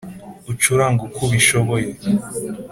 Ucurange uko ubishoboye,